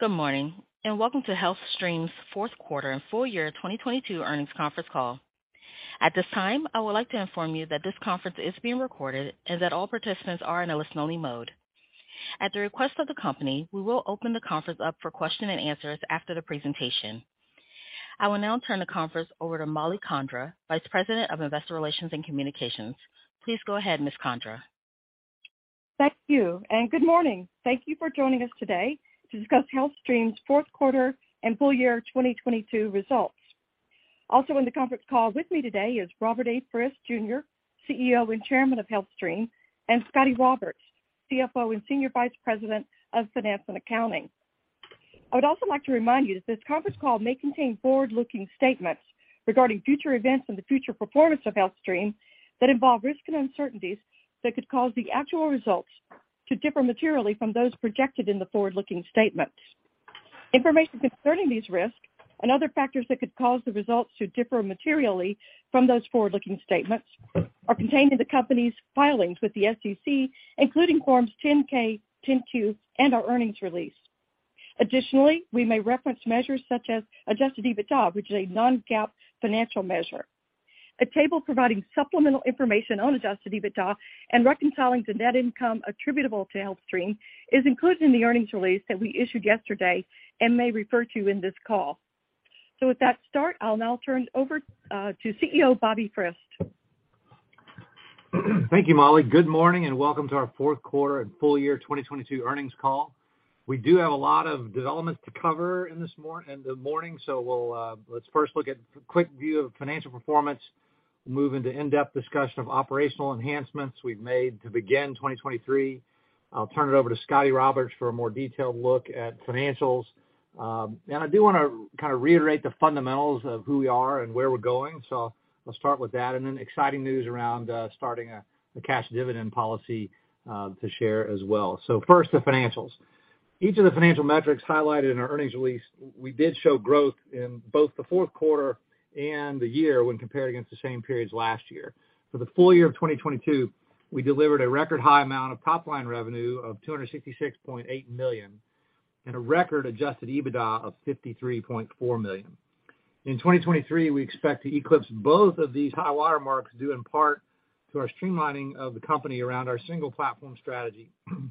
Good morning, and welcome to HealthStream's fourth quarter and full year 2022 earnings conference call. At this time, I would like to inform you that this conference is being recorded and that all participants are in a listen only mode. At the request of the company, we will open the conference up for question and answers after the presentation. I will now turn the conference over to Mollie Condra, Vice President of Investor Relations and Communications. Please go ahead, Ms. Condra. Thank you, and good morning. Thank you for joining us today to discuss HealthStream's fourth quarter and full year 2022 results. Also in the conference call with me today is Robert A. Frist Jr., CEO and Chairman of HealthStream, and Scotty Roberts, CFO and Senior Vice President of Finance and Accounting. I would also like to remind you that this conference call may contain forward-looking statements regarding future events and the future performance of HealthStream that involve risks and uncertainties that could cause the actual results to differ materially from those projected in the forward-looking statements. Information concerning these risks and other factors that could cause the results to differ materially from those forward-looking statements are contained in the company's filings with the SEC, including Forms 10-K, 10-Q, and our earnings release. Additionally, we may reference measures such as adjusted EBITDA, which is a non-GAAP financial measure. A table providing supplemental information on adjusted EBITDA and reconciling the net income attributable to HealthStream is included in the earnings release that we issued yesterday and may refer to in this call. With that start, I'll now turn over to CEO Bobby Frist. Thank you, Mollie. Good morning and welcome to our fourth quarter and full year 2022 earnings call. We do have a lot of developments to cover in the morning, so we'll, let's first look at quick view of financial performance, move into in-depth discussion of operational enhancements we've made to begin 2023. I'll turn it over to Scotty Roberts for a more detailed look at financials. I do wanna kind of reiterate the fundamentals of who we are and where we're going. I'll start with that and then exciting news around starting a cash dividend policy to share as well. First, the financials. Each of the financial metrics highlighted in our earnings release, we did show growth in both the fourth quarter and the year when compared against the same periods last year. For the full year of 2022, we delivered a record high amount of top line revenue of $266.8 million and a record adjusted EBITDA of $53.4 million. In 2023, we expect to eclipse both of these high water marks due in part to our streamlining of the company around our single platform strategy,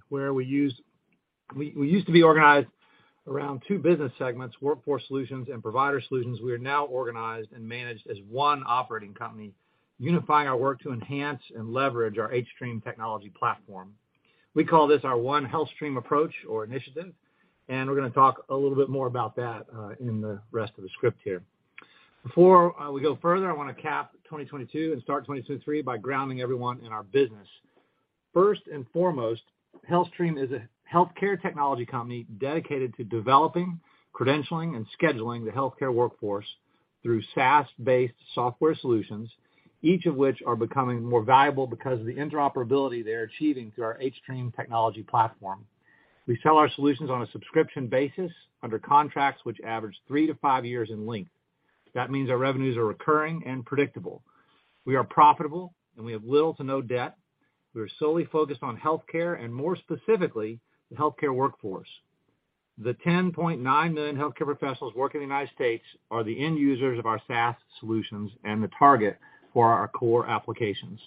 where we used to be organized around two business segments, Workforce Solutions and Provider Solutions. We are now organized and managed as one operating company, unifying our work to enhance and leverage our hStream technology platform. We call this our One HealthStream approach or initiative, and we're gonna talk a little bit more about that in the rest of the script here. Before we go further, I wanna cap 2022 and start 2023 by grounding everyone in our business. First and foremost, HealthStream is a healthcare technology company dedicated to developing, credentialing, and scheduling the healthcare workforce through SaaS-based software solutions, each of which are becoming more valuable because of the interoperability they're achieving through our hStream technology platform. We sell our solutions on a subscription basis under contracts which average three to five years in length. That means our revenues are recurring and predictable. We are profitable, and we have little to no debt. We are solely focused on healthcare and more specifically, the healthcare workforce. The 10.9 million healthcare professionals working in the United States are the end users of our SaaS solutions and the target for our core applications.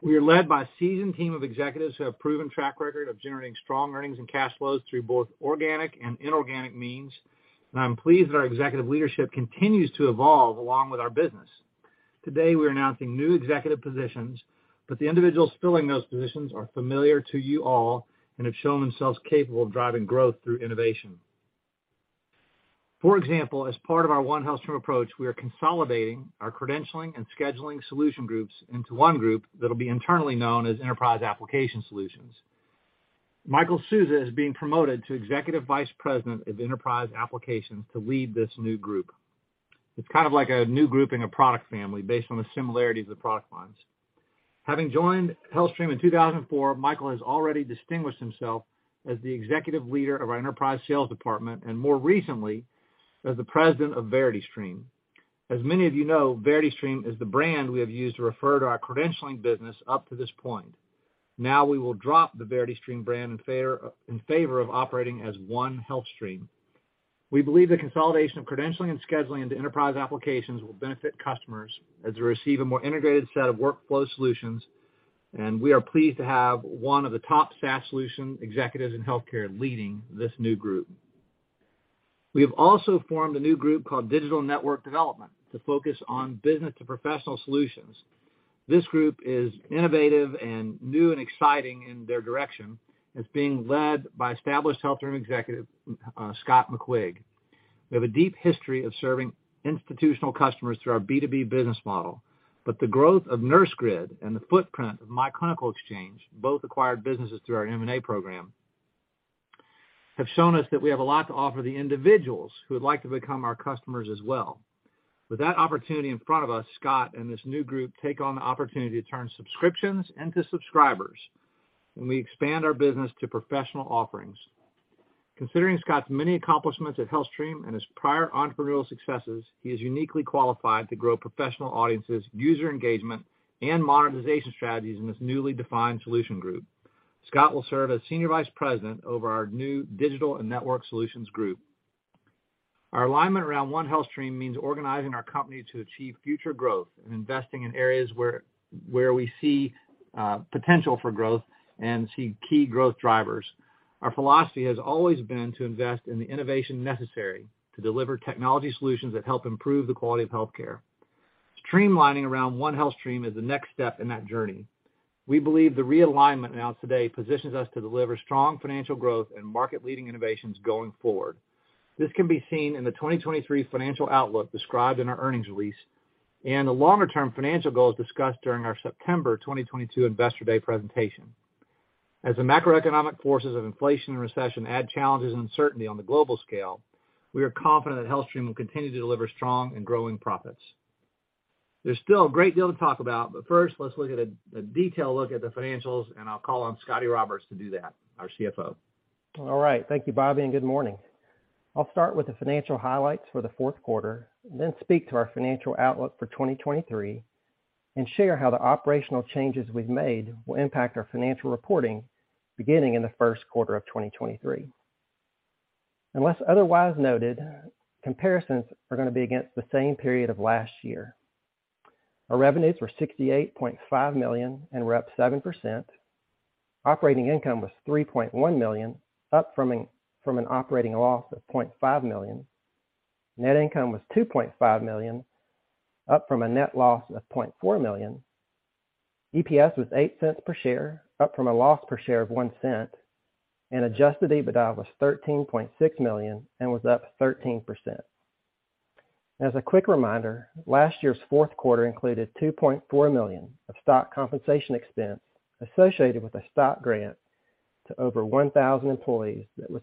We are led by a seasoned team of executives who have proven track record of generating strong earnings and cash flows through both organic and inorganic means. I'm pleased that our executive leadership continues to evolve along with our business. Today, we're announcing new executive positions. The individuals filling those positions are familiar to you all and have shown themselves capable of driving growth through innovation. For example, as part of our One HealthStream approach, we are consolidating our credentialing and scheduling solution groups into one group that'll be internally known as Enterprise Application Solutions. Michael Sousa is being promoted to Executive Vice President of Enterprise Applications to lead this new group. It's kind of like a new group in a product family based on the similarities of the product lines. Having joined HealthStream in 2004, Michael has already distinguished himself as the executive leader of our enterprise sales department and more recently, as the President of VerityStream. As many of you know, VerityStream is the brand we have used to refer to our credentialing business up to this point. Now we will drop the VerityStream brand in favor of operating as One HealthStream. We believe the consolidation of credentialing and scheduling into enterprise applications will benefit customers as they receive a more integrated set of workflow solutions, and we are pleased to have one of the top SaaS solution executives in healthcare leading this new group. We have also formed a new group called Digital Network Development to focus on business to professional solutions. This group is innovative and new and exciting in their direction. It's being led by established HealthStream executive, Scott McQuigg. We have a deep history of serving institutional customers through our B2B business model. The growth of NurseGrid and the footprint of myClinicalExchange, both acquired businesses through our M&A program, have shown us that we have a lot to offer the individuals who would like to become our customers as well. With that opportunity in front of us, Scott and this new group take on the opportunity to turn subscriptions into subscribers, and we expand our business to professional offerings. Considering Scott's many accomplishments at HealthStream and his prior entrepreneurial successes, he is uniquely qualified to grow professional audiences, user engagement, and monetization strategies in this newly defined solution group. Scott will serve as Senior Vice President over our new Digital and Network Solutions Group. Our alignment around One HealthStream means organizing our company to achieve future growth and investing in areas where we see potential for growth and see key growth drivers. Our philosophy has always been to invest in the innovation necessary to deliver technology solutions that help improve the quality of healthcare. Streamlining around One HealthStream is the next step in that journey. We believe the realignment announced today positions us to deliver strong financial growth and market-leading innovations going forward. This can be seen in the 2023 financial outlook described in our earnings release and the longer-term financial goals discussed during our September 2022 Investor Day presentation. As the macroeconomic forces of inflation and recession add challenges and uncertainty on the global scale, we are confident that HealthStream will continue to deliver strong and growing profits. First, let's look at a detailed look at the financials, and I'll call on Scotty Roberts to do that, our CFO. All right. Thank you, Bobby, and good morning. I'll start with the financial highlights for the fourth quarter and then speak to our financial outlook for 2023 and share how the operational changes we've made will impact our financial reporting beginning in the first quarter of 2023. Unless otherwise noted, comparisons are gonna be against the same period of last year. Our revenues were $68.5 million and were up 7%. Operating income was $3.1 million, up from an operating loss of $0.5 million. Net income was $2.5 million, up from a net loss of $0.4 million. EPS was $0.08 per share, up from a loss per share of $0.01, and adjusted EBITDA was $13.6 million and was up 13%. As a quick reminder, last year's fourth quarter included $2.4 million of stock compensation expense associated with a stock grant to over 1,000 employees that was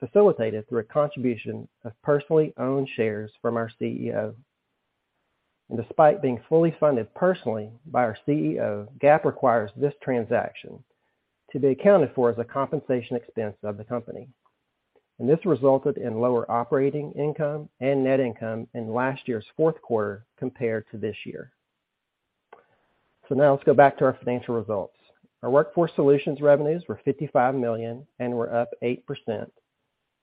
facilitated through a contribution of personally owned shares from our CEO. Despite being fully funded personally by our CEO, GAAP requires this transaction to be accounted for as a compensation expense of the company. This resulted in lower operating income and net income in last year's fourth quarter compared to this year. Now let's go back to our financial results. Our Workforce Solutions revenues were $55 million and were up 8%,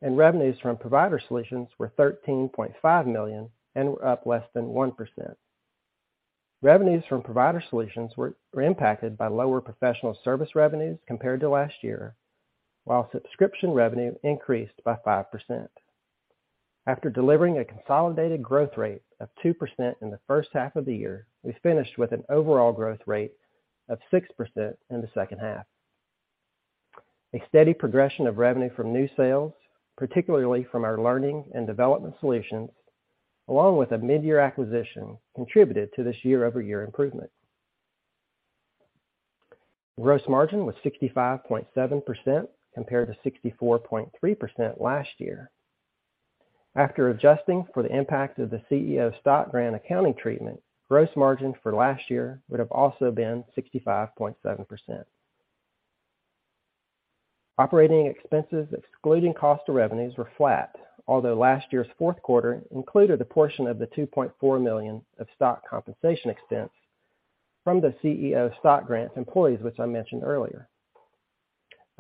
and revenues from Provider Solutions were $13.5 million and were up less than 1%. Revenues from Provider Solutions were impacted by lower professional service revenues compared to last year, while subscription revenue increased by 5%. After delivering a consolidated growth rate of 2% in the first half of the year, we finished with an overall growth rate of 6% in the second half. A steady progression of revenue from new sales, particularly from our learning and development solutions, along with a mid-year acquisition, contributed to this year-over-year improvement. Gross margin was 65.7% compared to 64.3% last year. After adjusting for the impact of the CEO stock grant accounting treatment, gross margin for last year would have also been 65.7%. Operating expenses excluding cost of revenues were flat, although last year's fourth quarter included a portion of the $2.4 million of stock compensation expense from the CEO stock grant to employees, which I mentioned earlier.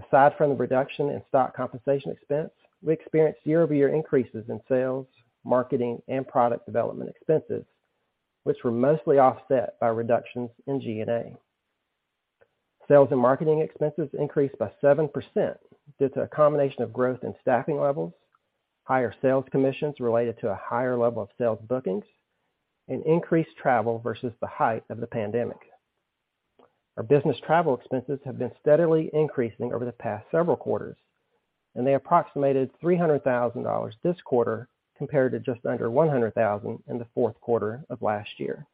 Aside from the reduction in stock compensation expense, we experienced year-over-year increases in sales, marketing, and product development expenses, which were mostly offset by reductions in G&A. Sales and marketing expenses increased by 7% due to a combination of growth in staffing levels, higher sales commissions related to a higher level of sales bookings, and increased travel versus the height of the pandemic. Our business travel expenses have been steadily increasing over the past several quarters, and they approximated $300,000 this quarter compared to just under $100,000 in the fourth quarter of last year.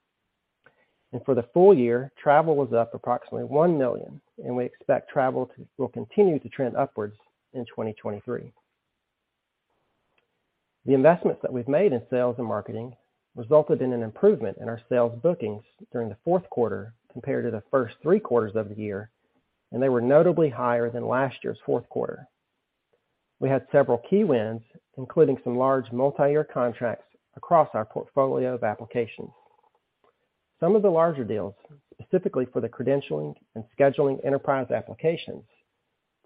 For the full year, travel was up approximately $1 million, and we expect travel to continue to trend upwards in 2023. The investments that we've made in sales and marketing resulted in an improvement in our sales bookings during the fourth quarter compared to the first three quarters of the year. They were notably higher than last year's fourth quarter. We had several key wins, including some large multiyear contracts across our portfolio of applications. Some of the larger deals, specifically for the credentialing and scheduling enterprise applications,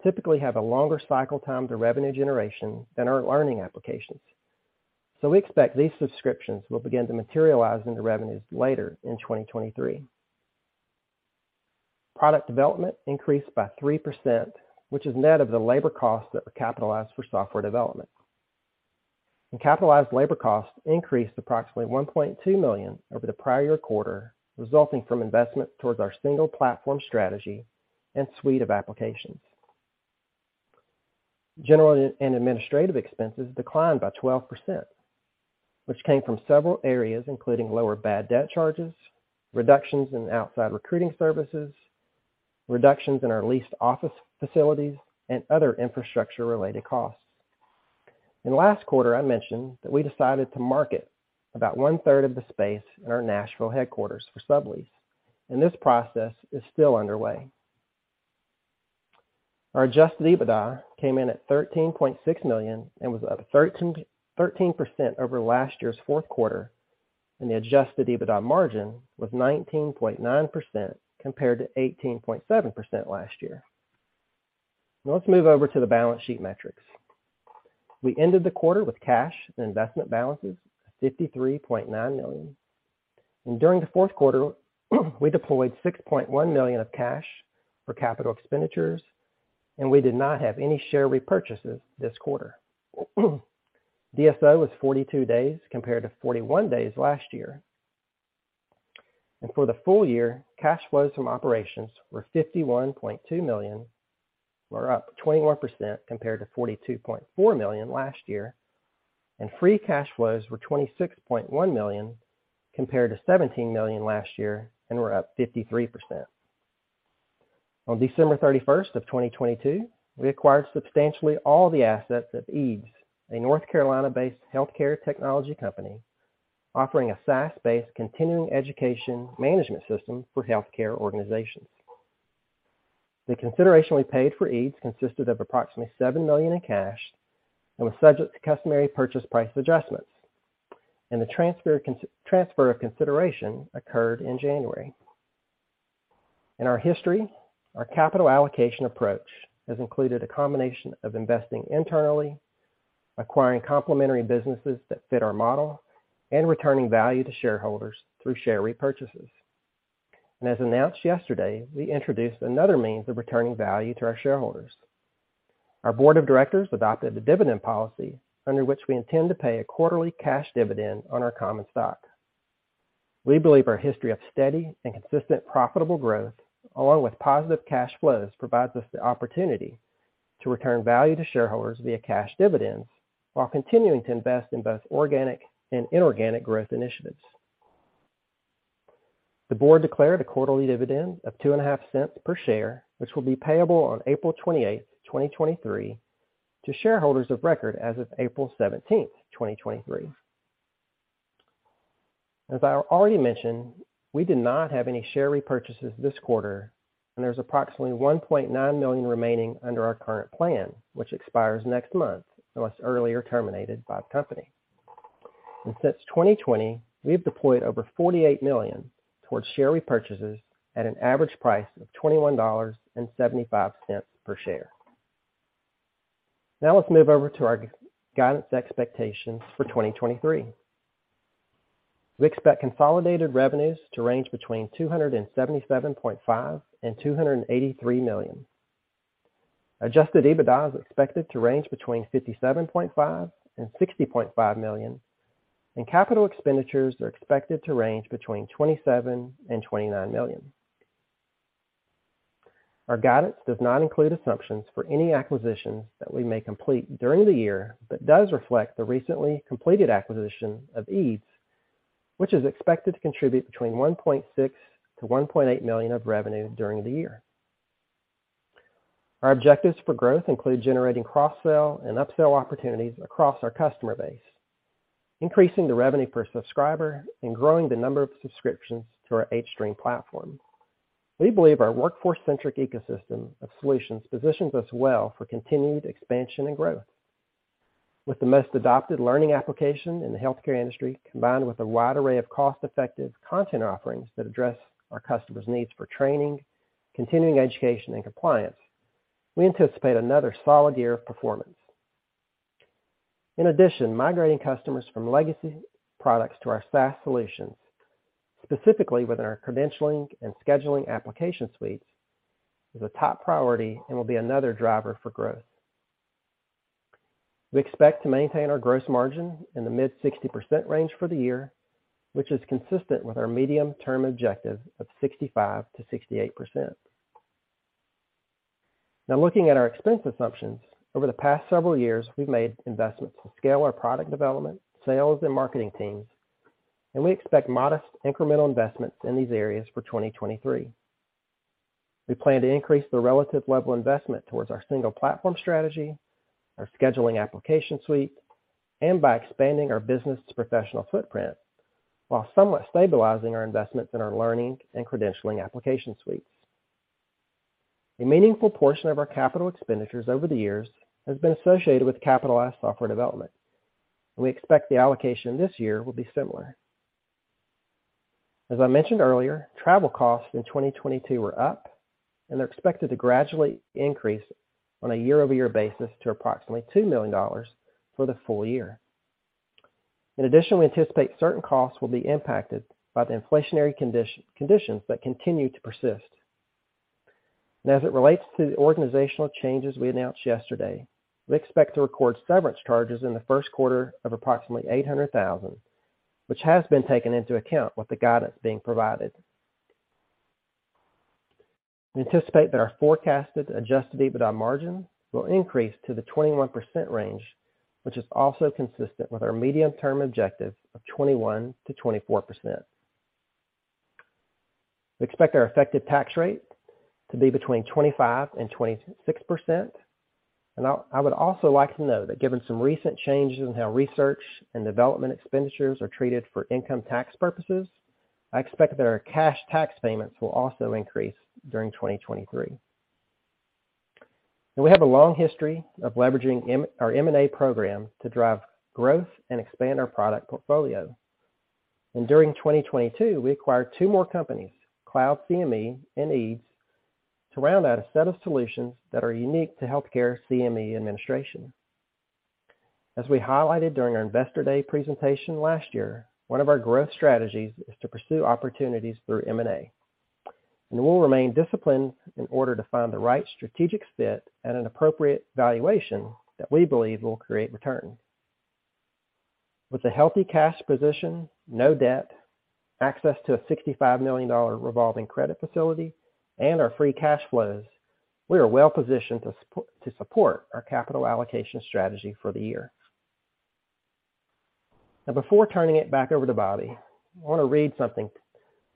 typically have a longer cycle time to revenue generation than our learning applications. We expect these subscriptions will begin to materialize into revenues later in 2023. Product development increased by 3%, which is net of the labor costs that were capitalized for software development. Capitalized labor costs increased approximately $1.2 million over the prior year quarter, resulting from investment towards our single platform strategy and suite of applications. General and administrative expenses declined by 12%, which came from several areas, including lower bad debt charges, reductions in outside recruiting services, reductions in our leased office facilities, and other infrastructure-related costs. In last quarter, I mentioned that we decided to market about one-third of the space in our Nashville headquarters for sublease, this process is still underway. Our adjusted EBITDA came in at $13.6 million, was up 13% over last year's fourth quarter, the adjusted EBITDA margin was 19.9% compared to 18.7% last year. Now let's move over to the balance sheet metrics. We ended the quarter with cash and investment balances of $53.9 million. During the fourth quarter, we deployed $6.1 million of cash for capital expenditures, we did not have any share repurchases this quarter. DSO was 42 days compared to 41 days last year. For the full year, cash flows from operations were $51.2 million. We're up 21% compared to $42.4 million last year, and free cash flows were $26.1 million compared to $17 million last year and we're up 53%. On December 31st of 2022, we acquired substantially all the assets of eeds, a North Carolina-based healthcare technology company offering a SaaS-based continuing education management system for healthcare organizations. The consideration we paid for eeds consisted of approximately $7 million in cash and was subject to customary purchase price adjustments. The transfer of consideration occurred in January. In our history, our capital allocation approach has included a combination of investing internally, acquiring complementary businesses that fit our model, and returning value to shareholders through share repurchases. As announced yesterday, we introduced another means of returning value to our shareholders. Our board of directors adopted the dividend policy under which we intend to pay a quarterly cash dividend on our common stock. We believe our history of steady and consistent profitable growth, along with positive cash flows, provides us the opportunity to return value to shareholders via cash dividends while continuing to invest in both organic and inorganic growth initiatives. The board declared a quarterly dividend of $0.025 per share, which will be payable on April 28, 2023 to shareholders of record as of April 17, 2023. As I already mentioned, we did not have any share repurchases this quarter, and there's approximately $1.9 million remaining under our current plan, which expires next month unless earlier terminated by the company. Since 2020, we have deployed over $48 million towards share repurchases at an average price of $21.75 per share. Now let's move over to our guidance expectations for 2023. We expect consolidated revenues to range between $277.5 million and $283 million. Adjusted EBITDA is expected to range between $57.5 million and $60.5 million, and capital expenditures are expected to range between $27 million and $29 million. Our guidance does not include assumptions for any acquisitions that we may complete during the year, but does reflect the recently completed acquisition of eeds, which is expected to contribute between $1.6 million to $1.8 million of revenue during the year. Our objectives for growth include generating cross-sell and up-sell opportunities across our customer base, increasing the revenue per subscriber, and growing the number of subscriptions to our hStream platform. We believe our workforce-centric ecosystem of solutions positions us well for continued expansion and growth. With the most adopted learning application in the healthcare industry, combined with a wide array of cost-effective content offerings that address our customers' needs for training, continuing education and compliance, we anticipate another solid year of performance. In addition, migrating customers from legacy products to our SaaS solutions, specifically within our credentialing and scheduling application suites, is a top priority and will be another driver for growth. We expect to maintain our gross margin in the mid 60% range for the year, which is consistent with our medium-term objective of 65%-68%. Now looking at our expense assumptions. Over the past several years, we've made investments to scale our product development, sales and marketing teams, and we expect modest incremental investments in these areas for 2023. We plan to increase the relative level investment towards our single platform strategy, our scheduling application suite, and by expanding our business to professional footprint, while somewhat stabilizing our investments in our learning and credentialing application suites. A meaningful portion of our capital expenditures over the years has been associated with capitalized software development. We expect the allocation this year will be similar. As I mentioned earlier, travel costs in 2022 were up and they're expected to gradually increase on a year-over-year basis to approximately $2 million for the full year. We anticipate certain costs will be impacted by the inflationary conditions that continue to persist. As it relates to the organizational changes we announced yesterday, we expect to record severance charges in the first quarter of approximately $800,000, which has been taken into account with the guidance being provided. We anticipate that our forecasted adjusted EBITDA margin will increase to the 21% range, which is also consistent with our medium-term objective of 21%-24%. We expect our effective tax rate to be between 25% and 26%. I would also like to note that given some recent changes in how research and development expenditures are treated for income tax purposes, I expect that our cash tax payments will also increase during 2023. We have a long history of leveraging M... our M&A program to drive growth and expand our product portfolio. During 2022, we acquired two more companies, CloudCME and eeds, to round out a set of solutions that are unique to healthcare CME administration. As we highlighted during our Investor Day presentation last year, one of our growth strategies is to pursue opportunities through M&A. We'll remain disciplined in order to find the right strategic fit at an appropriate valuation that we believe will create return. With a healthy cash position, no debt, access to a $65 million revolving credit facility, and our free cash flows, we are well-positioned to support our capital allocation strategy for the year. Before turning it back over to Bobby, I wanna read something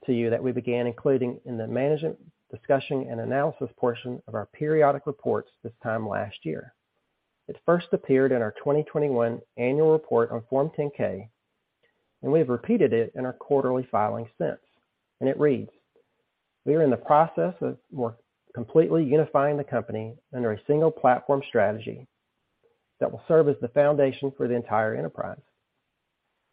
to you that we began including in the management discussion and analysis portion of our periodic reports this time last year. It first appeared in our 2021 annual report on Form 10-K, and we have repeated it in our quarterly filings since. It reads, "We are in the process of more completely unifying the company under a single platform strategy that will serve as the foundation for the entire enterprise.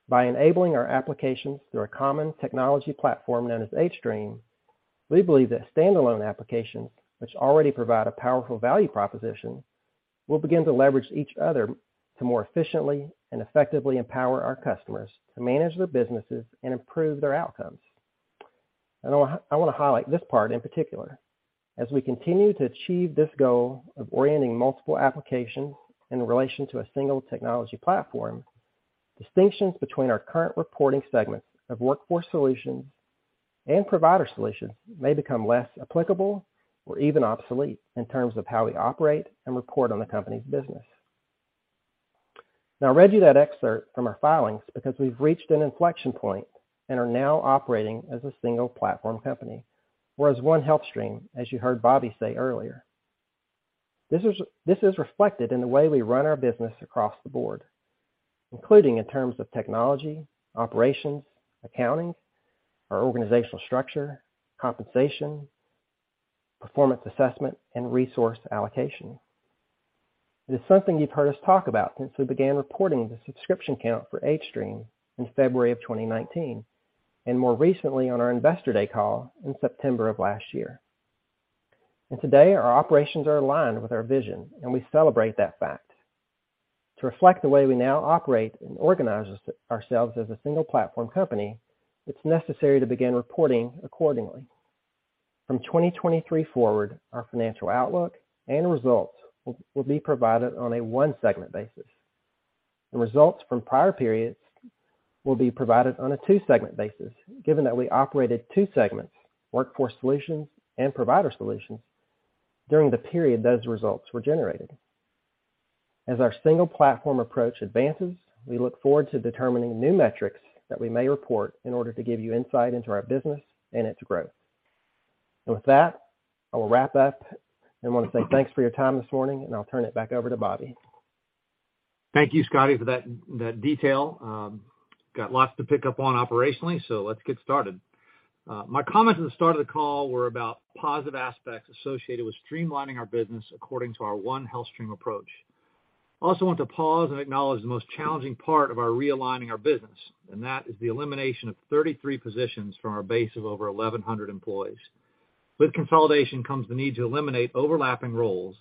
By enabling our applications through our common technology platform known as hStream, we believe that standalone applications, which already provide a powerful value proposition, will begin to leverage each other to more efficiently and effectively empower our customers to manage their businesses and improve their outcomes." I wanna highlight this part in particular. As we continue to achieve this goal of orienting multiple applications in relation to a single technology platform, distinctions between our current reporting segments of Workforce Solutions and Provider Solutions may become less applicable or even obsolete in terms of how we operate and report on the company's business." Now, I read you that excerpt from our filings because we've reached an inflection point and are now operating as a single platform company. We're as One HealthStream, as you heard Bobby say earlier. This is reflected in the way we run our business across the board, including in terms of technology, operations, accounting, our organizational structure, compensation, performance assessment, and resource allocation. It is something you've heard us talk about since we began reporting the subscription count for hStream in February of 2019, and more recently on our Investor Day call in September of last year. Today, our operations are aligned with our vision, and we celebrate that fact. To reflect the way we now operate and organize ourselves as a single platform company, it's necessary to begin reporting accordingly. From 2023 forward, our financial outlook and results will be provided on a one-segment basis. The results from prior periods will be provided on a two-segment basis, given that we operated two segments, Workforce Solutions and Provider Solutions, during the period those results were generated. As our single platform approach advances, we look forward to determining new metrics that we may report in order to give you insight into our business and its growth. With that, I will wrap up and wanna say thanks for your time this morning, and I'll turn it back over to Bobby. Thank you, Scotty, for that detail. Got lots to pick up on operationally, so let's get started. My comments at the start of the call were about positive aspects associated with streamlining our business according to our One HealthStream approach. I also want to pause and acknowledge the most challenging part of our realigning our business, that is the elimination of 33 positions from our base of over 1,100 employees. With consolidation comes the need to eliminate overlapping roles,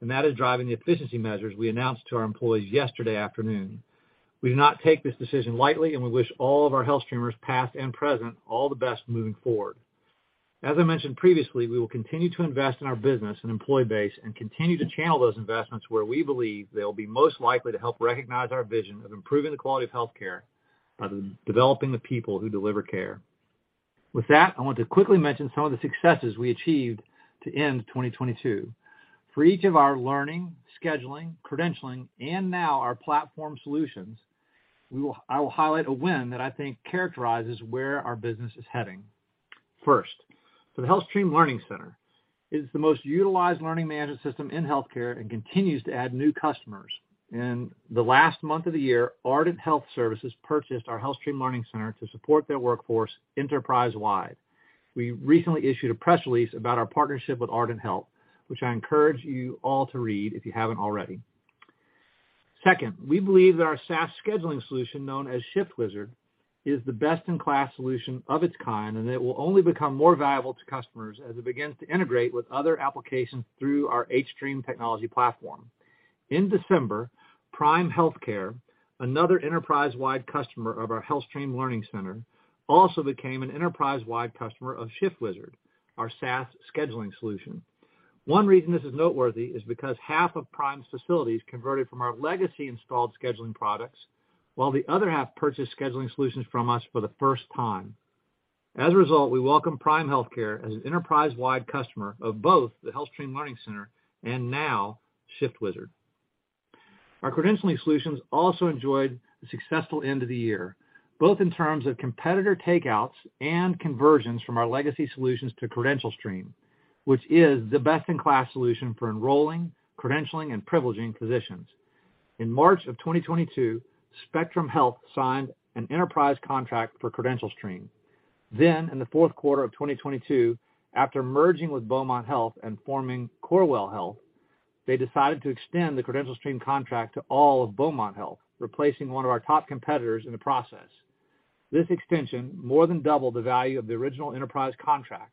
that is driving the efficiency measures we announced to our employees yesterday afternoon. We do not take this decision lightly, we wish all of our HealthStreamers, past and present, all the best moving forward. As I mentioned previously, we will continue to invest in our business and employee base and continue to channel those investments where we believe they'll be most likely to help recognize our vision of improving the quality of healthcare by developing the people who deliver care. With that, I want to quickly mention some of the successes we achieved to end 2022. For each of our learning, scheduling, credentialing, and now our platform solutions, I will highlight a win that I think characterizes where our business is heading. First, for the HealthStream Learning Center. It is the most utilized learning management system in healthcare and continues to add new customers. In the last month of the year, Ardent Health Services purchased our HealthStream Learning Center to support their workforce enterprise-wide. We recently issued a press release about our partnership with Ardent Health, which I encourage you all to read if you haven't already. Second, we believe that our SaaS scheduling solution, known as ShiftWizard, is the best-in-class solution of its kind, and it will only become more valuable to customers as it begins to integrate with other applications through our hStream technology platform. In December, Prime Healthcare, another enterprise-wide customer of our HealthStream Learning Center, also became an enterprise-wide customer of ShiftWizard, our SaaS scheduling solution. One reason this is noteworthy is because half of Prime's facilities converted from our legacy installed scheduling products, while the other half purchased scheduling solutions from us for the first time. As a result, we welcome Prime Healthcare as an enterprise-wide customer of both the HealthStream Learning Center and now ShiftWizard. Our credentialing solutions also enjoyed a successful end of the year, both in terms of competitor takeouts and conversions from our legacy solutions to CredentialStream, which is the best-in-class solution for enrolling, credentialing, and privileging physicians. In March of 2022, Spectrum Health signed an enterprise contract for CredentialStream. In the fourth quarter of 2022, after merging with Beaumont Health and forming Corewell Health, they decided to extend the CredentialStream contract to all of Beaumont Health, replacing one of our top competitors in the process. This extension more than doubled the value of the original enterprise contract.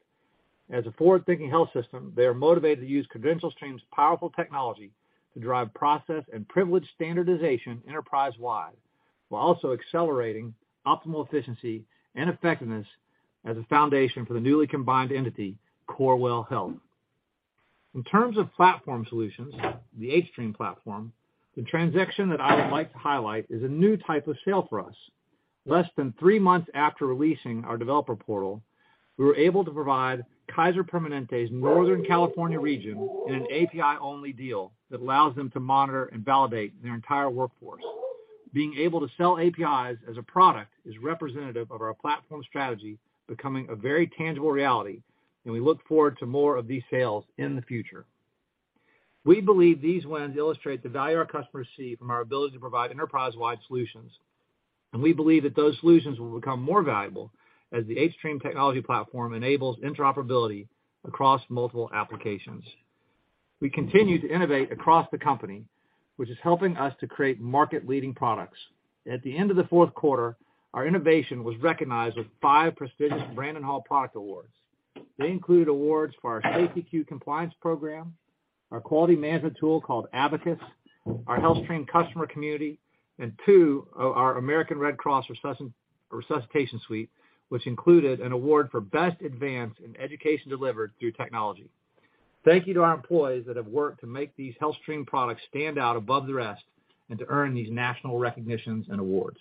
As a forward-thinking health system, they are motivated to use CredentialStream's powerful technology to drive process and privilege standardization enterprise-wide, while also accelerating optimal efficiency and effectiveness as a foundation for the newly combined entity, Corewell Health. In terms of platform solutions, the hStream platform, the transaction that I would like to highlight is a new type of sale for us. Less than three months after releasing our hStream Developer Portal, we were able to provide Kaiser Permanente's Northern California region in an API-only deal that allows them to monitor and validate their entire workforce. Being able to sell APIs as a product is representative of our platform strategy becoming a very tangible reality, and we look forward to more of these sales in the future. We believe these wins illustrate the value our customers see from our ability to provide enterprise-wide solutions, and we believe that those solutions will become more valuable as the hStream technology platform enables interoperability across multiple applications. We continue to innovate across the company, which is helping us to create market-leading products. At the end of the fourth quarter, our innovation was recognized with five prestigious Brandon Hall Product Awards. They include awards for our SafetyQ compliance program, our quality management tool called abaqis, our HealthStream customer community, and two, our American Red Cross Resuscitation Suite, which included an award for best advance in education delivered through technology. Thank you to our employees that have worked to make these HealthStream products stand out above the rest and to earn these national recognitions and awards.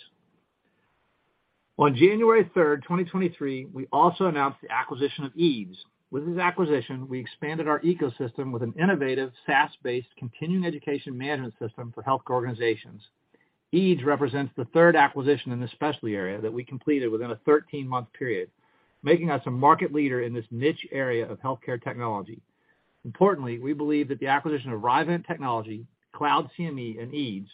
On January 3, 2023, we also announced the acquisition of eeds. With this acquisition, we expanded our ecosystem with an innovative, SaaS-based continuing education management system for healthcare organizations. eeds represents the third acquisition in the specialty area that we completed within a 13-month period, making us a market leader in this niche area of healthcare technology. Importantly, we believe that the acquisition of Rievent Technologies, CloudCME, and eeds,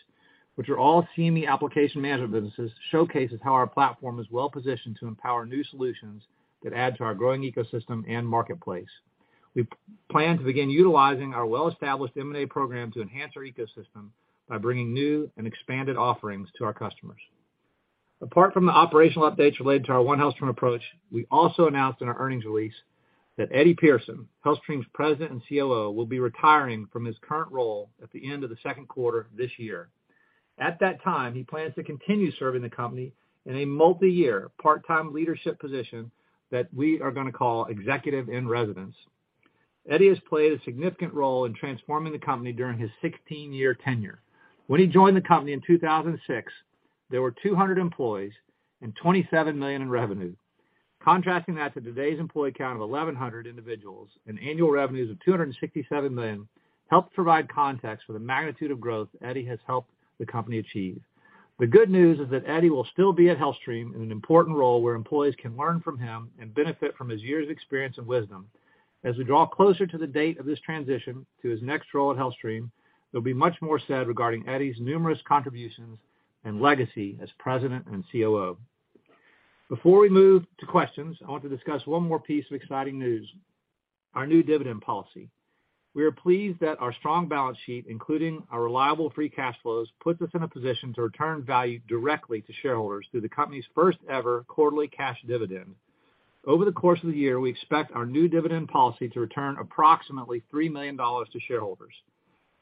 which are all CME application management businesses, showcases how our platform is well-positioned to empower new solutions that add to our growing ecosystem and marketplace. We plan to begin utilizing our well-established M&A program to enhance our ecosystem by bringing new and expanded offerings to our customers. Apart from the operational updates related to our One HealthStream approach, we also announced in our earnings release that Eddie Pearson, HealthStream's President and COO, will be retiring from his current role at the end of the second quarter this year. At that time, he plans to continue serving the company in a multi-year, part-time leadership position that we are gonna call Executive in Residence. Eddie has played a significant role in transforming the company during his 16-year tenure. When he joined the company in 2006, there were 200 employees and $27 million in revenue. Contrasting that to today's employee count of 1,100 individuals and annual revenues of $267 million helps provide context for the magnitude of growth Eddie has helped the company achieve. The good news is that Eddie will still be at HealthStream in an important role where employees can learn from him and benefit from his years of experience and wisdom. As we draw closer to the date of this transition to his next role at HealthStream, there'll be much more said regarding Eddie's numerous contributions and legacy as President and COO. Before we move to questions, I want to discuss one more piece of exciting news, our new dividend policy. We are pleased that our strong balance sheet, including our reliable free cash flows, puts us in a position to return value directly to shareholders through the company's first-ever quarterly cash dividend. Over the course of the year, we expect our new dividend policy to return approximately $3 million to shareholders.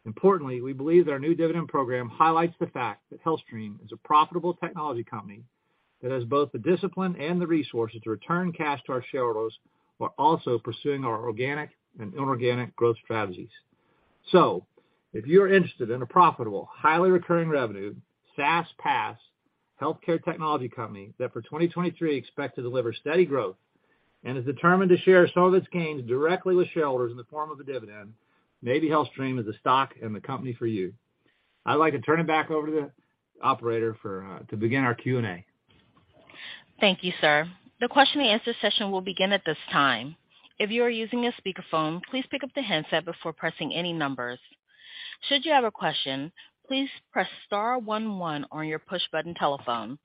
We believe their new dividend program highlights the fact that HealthStream is a profitable technology company that has both the discipline and the resources to return cash to our shareholders while also pursuing our organic and inorganic growth strategies. If you're interested in a profitable, highly recurring revenue, SaaS, PaaS, healthcare technology company that for 2023 expect to deliver steady growth and is determined to share some of its gains directly with shareholders in the form of a dividend, maybe HealthStream is the stock and the company for you. I'd like to turn it back over to the operator for to begin our Q&A. Thank you, sir. The question and answer session will begin at this time. If you are using a speakerphone, please pick up the handset before pressing any numbers. Should you have a question, please press star one one on your push-button telephone.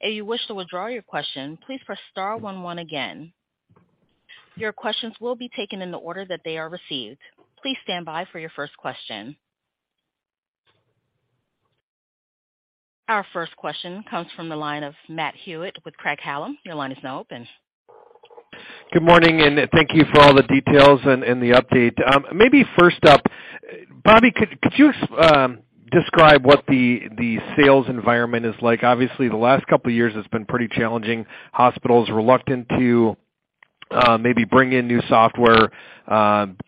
If you wish to withdraw your question, please press star one one again. Your questions will be taken in the order that they are received. Please stand by for your first question. Our first question comes from the line of Matt Hewitt with Craig-Hallum. Your line is now open. Good morning. Thank you for all the details and the update. Maybe first up, Bobby, could you describe what the sales environment is like? Obviously, the last couple of years has been pretty challenging. Hospitals reluctant to maybe bring in new software,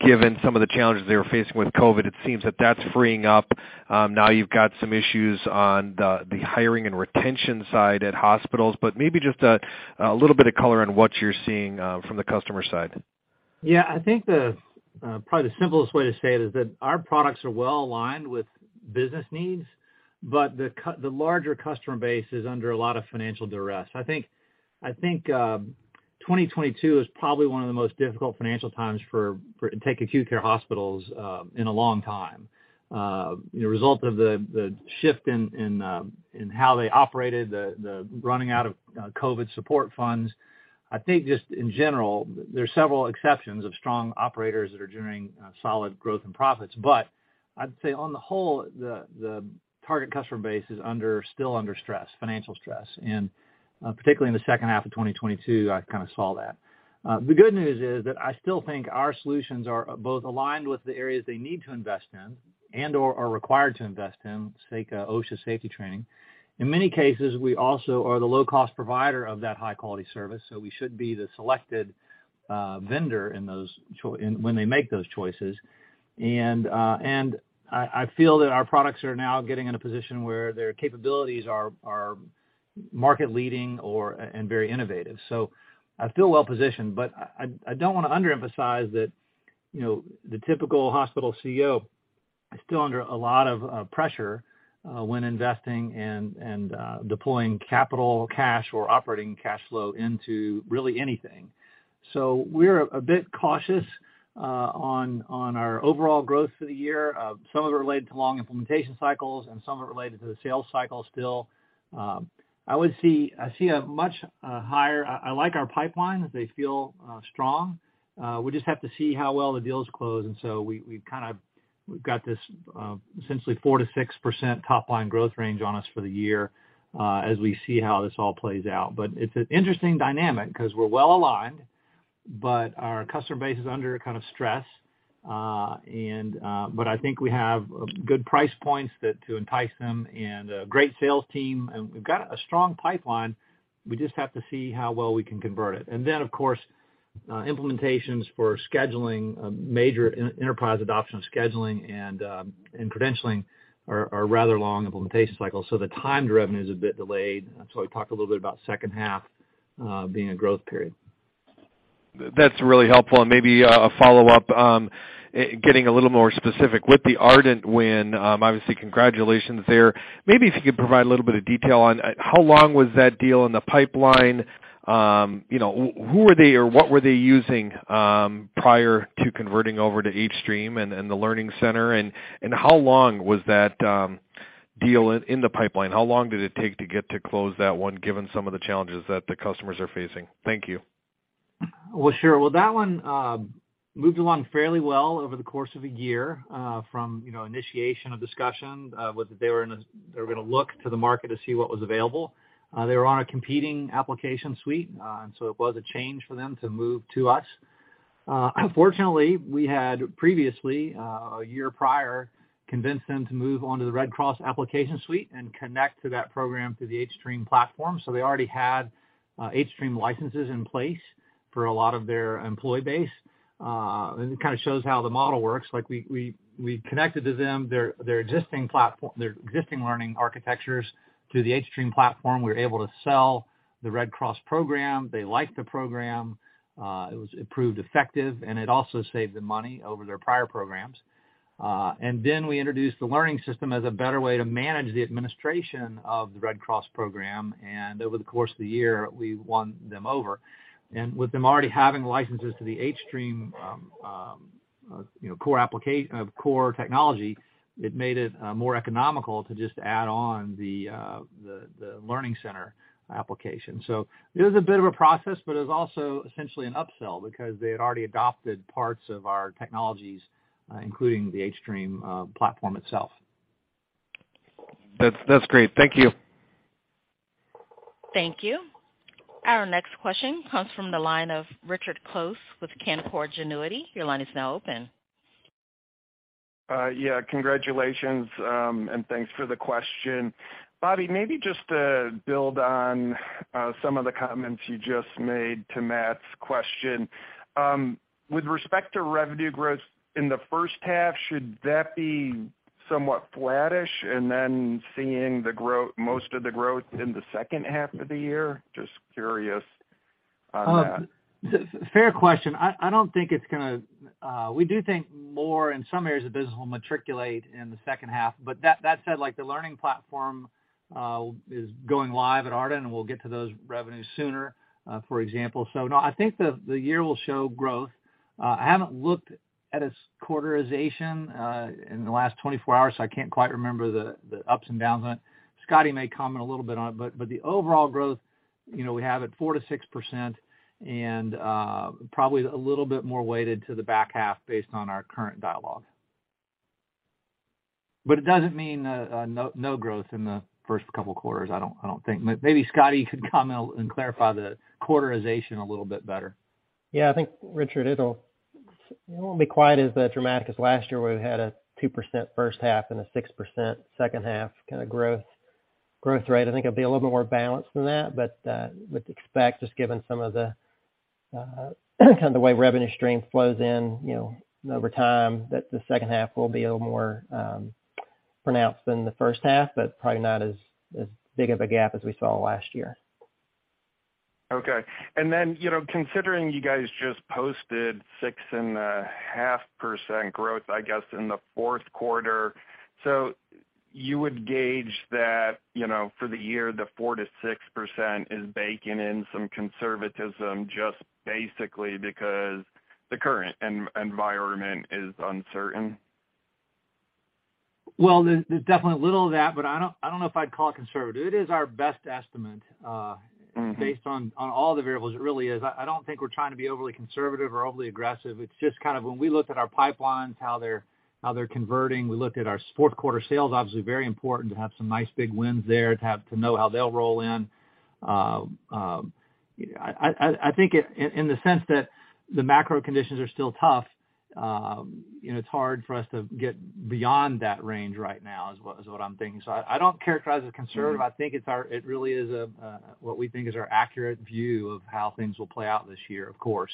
given some of the challenges they were facing with COVID. It seems that that's freeing up. Now you've got some issues on the hiring and retention side at hospitals. Maybe just a little bit of color on what you're seeing from the customer side. Yeah, I think the probably the simplest way to say it is that our products are well aligned with business needs, but the larger customer base is under a lot of financial duress. I think, 2022 is probably one of the most difficult financial times for take acute care hospitals in a long time. You know, result of the shift in how they operated, the running out of COVID support funds. I think just in general, there's several exceptions of strong operators that are generating solid growth and profits. I'd say on the whole, the target customer base is still under stress, financial stress. Particularly in the second half of 2022, I kind of saw that. The good news is that I still think our solutions are both aligned with the areas they need to invest in and/or are required to invest in, say, OSHA safety training. In many cases, we also are the low-cost provider of that high-quality service, so we should be the selected vendor when they make those choices. I feel that our products are now getting in a position where their capabilities are market leading and very innovative. I feel well-positioned, but I don't wanna underemphasize that, you know, the typical hospital CEO is still under a lot of pressure when investing and deploying capital or cash or operating cash flow into really anything. We're a bit cautious on our overall growth for the year. Some of it related to long implementation cycles, and some of it related to the sales cycle still. I would see, I see a much higher. I like our pipeline. They feel strong. We just have to see how well the deals close. We've got this, essentially 4%-6% top-line growth range on us for the year, as we see how this all plays out. It's an interesting dynamic 'cause we're well-aligned, but our customer base is under kind of stress. I think we have good price points to entice them and a great sales team, and we've got a strong pipeline. We just have to see how well we can convert it. Of course, implementations for scheduling, major enterprise adoption of scheduling and credentialing are rather long implementation cycles, so the timed revenue is a bit delayed. We talked a little bit about second half being a growth period. That's really helpful. Maybe, a follow-up, getting a little more specific. With the Ardent win, obviously, congratulations there. Maybe if you could provide a little bit of detail on how long was that deal in the pipeline? You know, who were they or what were they using, prior to converting over to hStream and the Learning Center? How long was that deal in the pipeline? How long did it take to get to close that one, given some of the challenges that the customers are facing? Thank you. Well, sure. Well, that one moved along fairly well over the course of a year, from, you know, initiation of discussion with. They were gonna look to the market to see what was available. They were on a competing application suite, and so it was a change for them to move to us. Fortunately, we had previously, a year prior, convinced them to move on to the Red Cross application suite and connect to that program through the hStream platform. They already had hStream licenses in place for a lot of their employee base. It kinda shows how the model works. Like, we connected to them their existing platform, their existing learning architectures to the hStream platform. We were able to sell the Red Cross program. They liked the program. It proved effective, and it also saved them money over their prior programs. We introduced the learning system as a better way to manage the administration of the Red Cross program. Over the course of the year, we won them over. With them already having licenses to the hStream, you know, core technology, it made it more economical to just add on the learning center application. It was a bit of a process, but it was also essentially an upsell because they had already adopted parts of our technologies, including the hStream platform itself. That's great. Thank you. Thank you. Our next question comes from the line of Richard Close with Canaccord Genuity. Your line is now open. Yeah, congratulations, thanks for the question. Bobby, maybe just to build on some of the comments you just made to Matt's question. With respect to revenue growth in the first half, should that be somewhat flattish and then seeing most of the growth in the second half of the year? Just curious on that. Fair question. I don't think it's gonna. We do think more in some areas of the business will matriculate in the second half, that said, like, the learning platform is going live at Ardent, and we'll get to those revenues sooner, for example. No, I think the year will show growth. I haven't looked at its quarterization in the last 24 hours, so I can't quite remember the ups and downs on it. Scotty may comment a little bit on it, the overall growth, you know, we have at 4%-6% and probably a little bit more weighted to the back half based on our current dialogue. It doesn't mean no growth in the first couple of quarters, I don't think. Maybe Scotty could comment and clarify the quarterization a little bit better. Yeah. I think, Richard, it won't be quite as dramatic as last year, where we had a 2% first half and a 6% second half kinda growth rate. I think it'll be a little bit more balanced than that, but would expect, just given some of the kind of the way revenue stream flows in, you know, over time, that the second half will be a little more pronounced than the first half, but probably not as big of a gap as we saw last year. Okay. you know, considering you guys just posted 6.5% growth, I guess, in the fourth quarter. You would gauge that, you know, for the year, the 4%-6% is baking in some conservatism just basically because the current environment is uncertain. Well, there's definitely a little of that, but I don't know if I'd call it conservative. It is our best estimate. Mm-hmm... based on all the variables. It really is. I don't think we're trying to be overly conservative or overly aggressive. It's just kind of when we looked at our pipelines, how they're converting, we looked at our fourth quarter sales, obviously very important to have some nice big wins there, to know how they'll roll in. I think in the sense that the macro conditions are still tough, you know, it's hard for us to get beyond that range right now, is what I'm thinking. I don't characterize it conservative. Mm-hmm. I think it really is what we think is our accurate view of how things will play out this year, of course.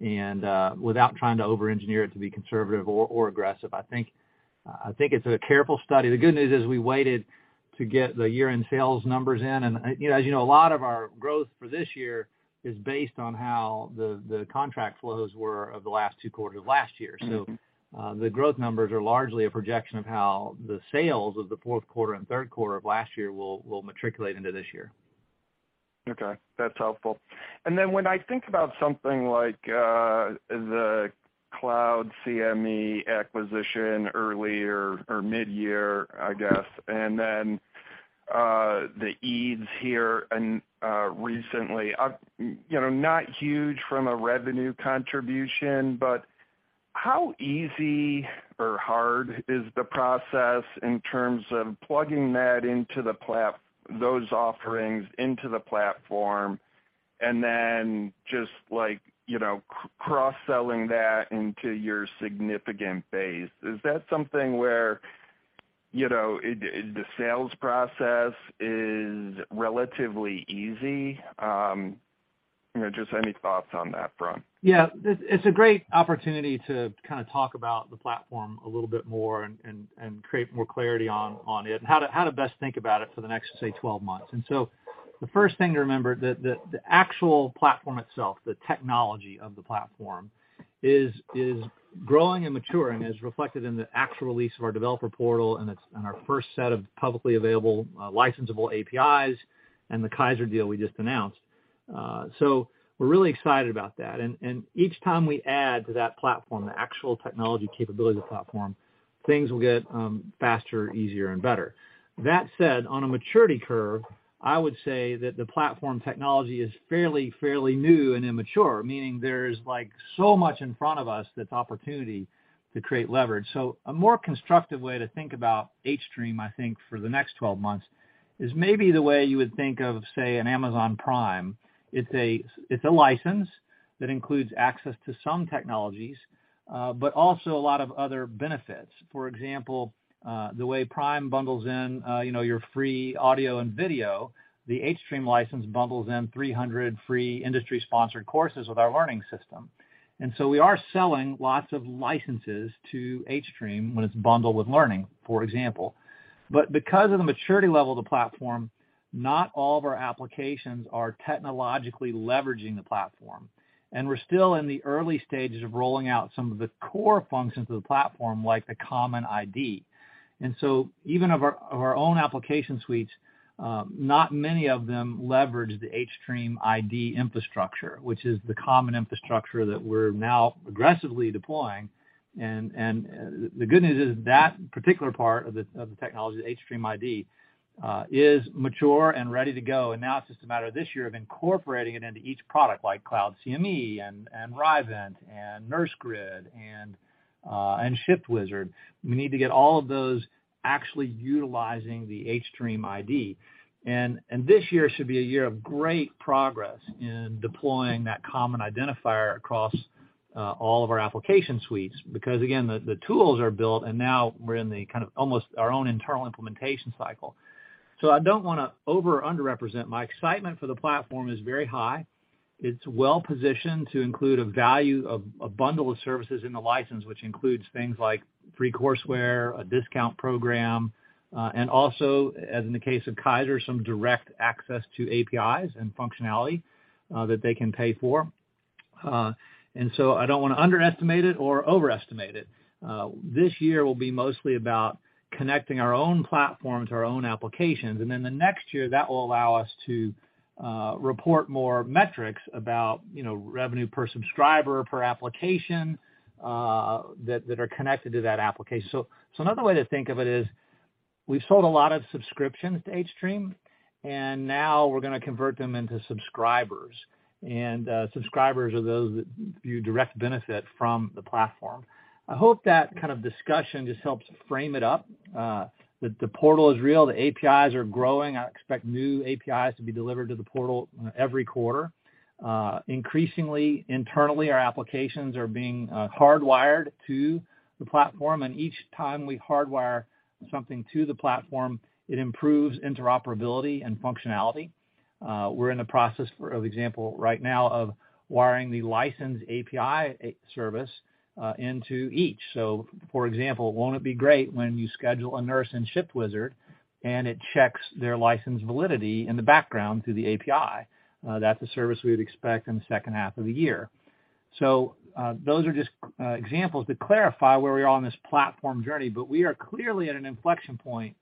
Without trying to over-engineer it to be conservative or aggressive. I think it's a careful study. The good news is we waited to get the year-end sales numbers in. You know, as you know, a lot of our growth for this year is based on how the contract flows were of the last two quarters of last year. Mm-hmm. The growth numbers are largely a projection of how the sales of the fourth quarter and third quarter of last year will matriculate into this year. Okay, that's helpful. When I think about something like the CloudCME acquisition earlier or mid-year, I guess, and then the eeds here recently. You know, not huge from a revenue contribution, but how easy or hard is the process in terms of plugging those offerings into the platform, and then just like, you know, cross-selling that into your significant base? Is that something where, you know, it, the sales process is relatively easy? You know, just any thoughts on that front. Yeah. It's a great opportunity to kind of talk about the platform a little bit more and create more clarity on it. How to best think about it for the next, say, 12 months. The first thing to remember, the actual platform itself, the technology of the platform is growing and maturing, as reflected in the actual release of our hStream Developer Portal and in our first set of publicly available, licensable APIs and the Kaiser deal we just announced. We're really excited about that. And each time we add to that platform, the actual technology capability of the platform, things will get faster, easier and better. That said, on a maturity curve, I would say that the platform technology is fairly new and immature, meaning there's like so much in front of us that's opportunity to create leverage. A more constructive way to think about hStream, I think, for the next 12 months is maybe the way you would think of, say, an Amazon Prime. It's a, it's a license that includes access to some technologies, but also a lot of other benefits. For example, the way Prime bundles in, you know, your free audio and video, the hStream license bundles in 300 free industry-sponsored courses with our learning system. We are selling lots of licenses to hStream when it's bundled with learning, for example. Because of the maturity level of the platform, not all of our applications are technologically leveraging the platform. We're still in the early stages of rolling out some of the core functions of the platform, like the common ID. Even of our, of our own application suites, not many of them leverage the hStream ID infrastructure, which is the common infrastructure that we're now aggressively deploying. The good news is that particular part of the technology, the hStream ID, is mature and ready to go. Now it's just a matter this year of incorporating it into each product like CloudCME and Rievent and NurseGrid and ShiftWizard. We need to get all of those actually utilizing the hStream ID. This year should be a year of great progress in deploying that common identifier across all of our application suites. Again, the tools are built and now we're in the kind of almost our own internal implementation cycle. I don't wanna over or underrepresent. My excitement for the platform is very high. It's well-positioned to include a value, a bundle of services in the license, which includes things like free courseware, a discount program, and also, as in the case of Kaiser, some direct access to APIs and functionality that they can pay for. I don't wanna underestimate it or overestimate it. This year will be mostly about connecting our own platforms, our own applications, the next year, that will allow us to report more metrics about, you know, revenue per subscriber, per application that are connected to that application. Another way to think of it is, we've sold a lot of subscriptions to hStream, and now we're gonna convert them into subscribers. Subscribers are those that view direct benefit from the platform. I hope that kind of discussion just helps frame it up, that the portal is real, the APIs are growing. I expect new APIs to be delivered to the portal, you know, every quarter. Increasingly, internally, our applications are being hardwired to the platform, and each time we hardwire something to the platform, it improves interoperability and functionality. We're in the process of example right now of wiring the license API service into each. For example, won't it be great when you schedule a nurse in ShiftWizard and it checks their license validity in the background through the API? That's a service we would expect in the second half of the year. Those are just examples to clarify where we are on this platform journey. We are clearly at an inflection point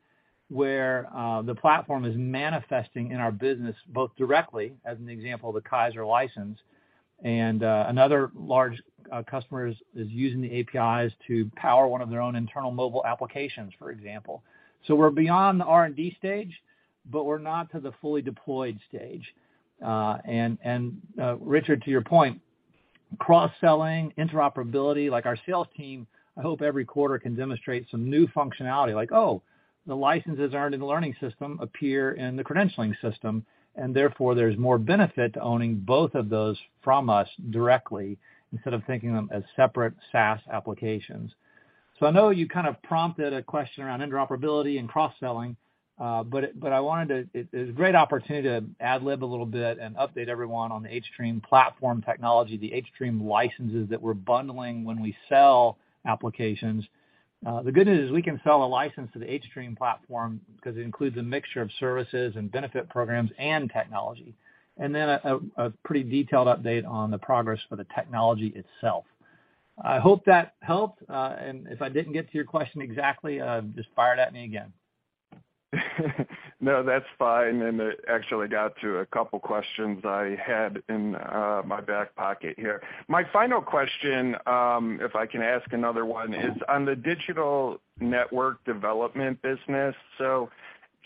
where the platform is manifesting in our business, both directly, as an example, the Kaiser license, and another large customer is using the APIs to power one of their own internal mobile applications, for example. We're beyond the R&D stage, but we're not to the fully deployed stage. And, Richard, to your point, cross-selling, interoperability, like our sales team, I hope every quarter can demonstrate some new functionality. Like, oh, the licenses earned in the learning system appear in the credentialing system, and therefore, there's more benefit to owning both of those from us directly instead of thinking of them as separate SaaS applications. I know you kind of prompted a question around interoperability and cross-selling, it's a great opportunity to ad-lib a little bit and update everyone on the hStream platform technology, the hStream licenses that we're bundling when we sell applications. The good news is we can sell a license to the hStream platform because it includes a mixture of services and benefit programs and technology. Then a pretty detailed update on the progress for the technology itself. I hope that helped. If I didn't get to your question exactly, just fire it at me again. No, that's fine. It actually got to a couple questions I had in my back pocket here. My final question, if I can ask another one. Mm-hmm. -is on the Digital Network Development business.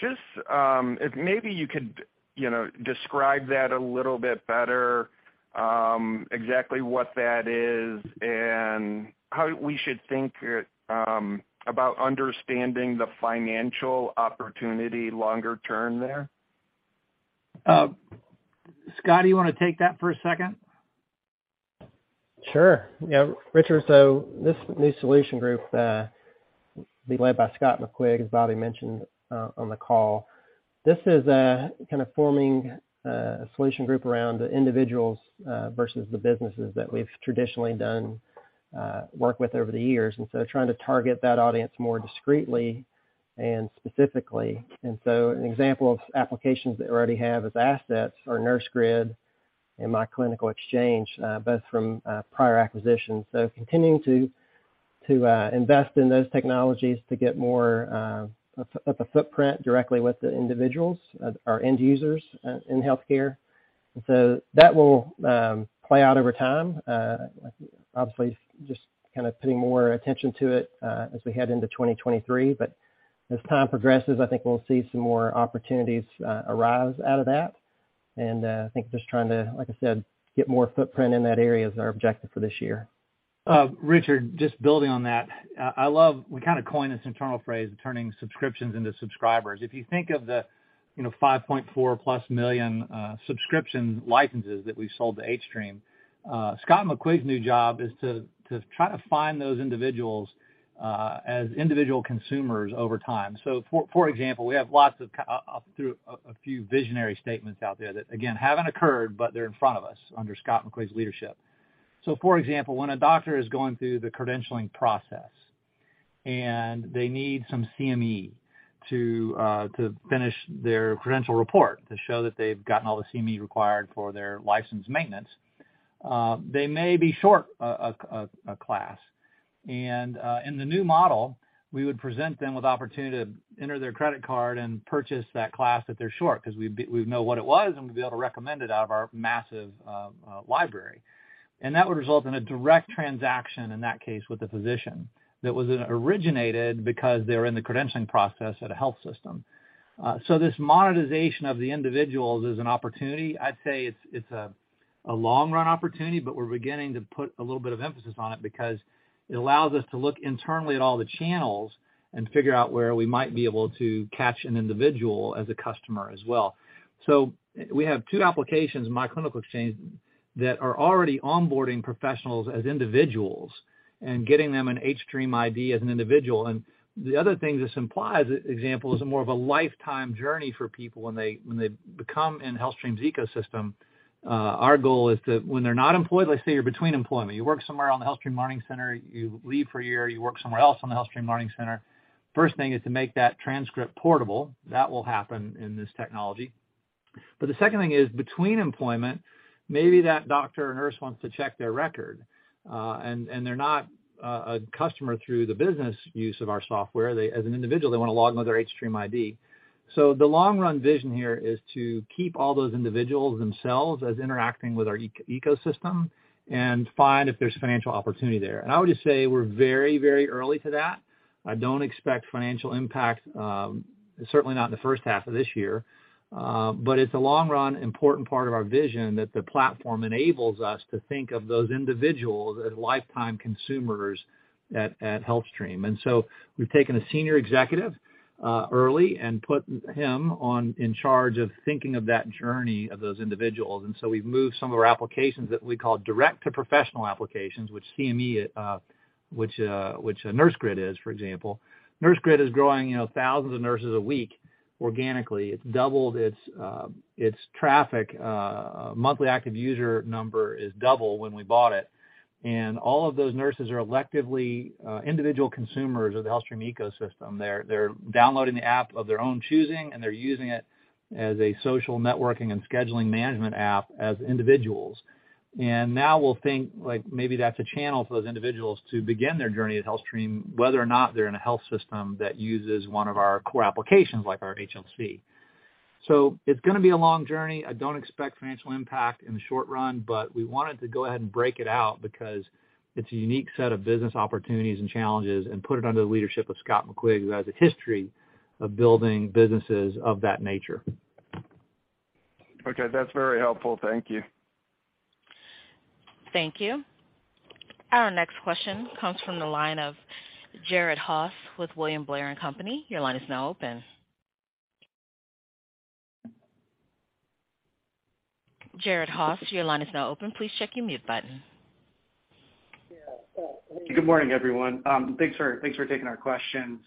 Just, if maybe you could, you know, describe that a little bit better, exactly what that is and how we should think about understanding the financial opportunity longer term there? Scott, you wanna take that for a second? Sure. Yeah, Richard, this new solution group, being led by Scott McQuigg, as Bobby mentioned on the call, is kind of forming a solution group around the individuals, versus the businesses that we've traditionally done work with over the years. Trying to target that audience more discreetly and specifically. An example of applications that we already have as assets are NurseGrid and myClinicalExchange, both from prior acquisitions. Continuing to invest in those technologies to get more of the footprint directly with the individuals, our end users in healthcare. That will play out over time. Obviously, just kind of paying more attention to it as we head into 2023. As time progresses, I think we'll see some more opportunities arise out of that. I think just trying to, like I said, get more footprint in that area is our objective for this year. Richard, just building on that. We kind of coined this internal phrase of turning subscriptions into subscribers. If you think of the, you know, 5.4+ million subscription licenses that we sold to hStream, Scott McQuigg's new job is to try to find those individuals as individual consumers over time. For example, we have lots of through a few visionary statements out there that, again, haven't occurred, but they're in front of us under Scott McQuigg's leadership. For example, when a doctor is going through the credentialing process and they need some CME to finish their credential report to show that they've gotten all the CME required for their license maintenance, they may be short a class. In the new model, we would present them with opportunity to enter their credit card and purchase that class that they're short 'cause we'd know what it was, and we'd be able to recommend it out of our massive library. That would result in a direct transaction in that case with the physician that was originated because they're in the credentialing process at a health system. This monetization of the individuals is an opportunity. I'd say it's a long-run opportunity, but we're beginning to put a little bit of emphasis on it because it allows us to look internally at all the channels and figure out where we might be able to catch an individual as a customer as well. We have two applications, myClinicalExchange, that are already onboarding professionals as individuals and getting them an hStream ID as an individual. The other thing this implies, as an example, is more of a lifetime journey for people when they, when they become in HealthStream's ecosystem. Our goal is to, when they're not employed, let's say you're between employment, you work somewhere on the HealthStream Learning Center, you leave for a year, you work somewhere else on the HealthStream Learning Center. First thing is to make that transcript portable. That will happen in this technology. The second thing is, between employment, maybe that doctor or nurse wants to check their record, and they're not, a customer through the business use of our software. They, as an individual, they wanna log in with their hStream ID. The long run vision here is to keep all those individuals themselves as interacting with our e-ecosystem and find if there's financial opportunity there. I would just say we're very, very early to that. I don't expect financial impact, certainly not in the first half of this year. But it's a long run important part of our vision that the platform enables us to think of those individuals as lifetime consumers at HealthStream. We've taken a senior executive early and put him on in charge of thinking of that journey of those individuals. We've moved some of our applications that we call direct to professional applications with CME, which NurseGrid is, for example. NurseGrid is growing, you know, thousands of nurses a week organically. It's doubled its traffic. Monthly active user number is double when we bought it. All of those nurses are electively, individual consumers of the HealthStream ecosystem. They're downloading the app of their own choosing, and they're using it as a social networking and scheduling management app as individuals. Now we'll think, like, maybe that's a channel for those individuals to begin their journey at HealthStream, whether or not they're in a health system that uses one of our core applications like our HLC. It's gonna be a long journey. I don't expect financial impact in the short run, but we wanted to go ahead and break it out because it's a unique set of business opportunities and challenges, and put it under the leadership of Scott McQuigg, who has a history of building businesses of that nature. Okay. That's very helpful. Thank you. Thank you. Our next question comes from the line of Jared Haase with William Blair & Company. Your line is now open. Jared Haase, your line is now open. Please check your mute button. Good morning, everyone. Thanks for taking our questions.